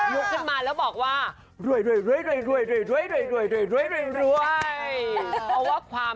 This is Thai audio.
ยุคขึ้นมาแล้วบอกว่า